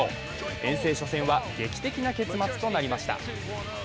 遠征初戦は劇的な結末となりました。